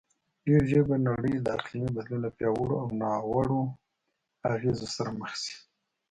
ډېرژر به نړی د اقلیمې بدلون له پیاوړو او ناوړو اغیزو سره مخ شې